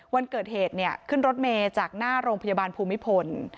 วันเกิดเหตุเนี่ยขึ้นรถเมย์จากหน้าโรงพยาบาลภูมิพล